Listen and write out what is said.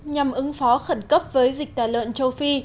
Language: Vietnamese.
nhằm ứng phó khẩn cấp với dịch tà lợn châu phi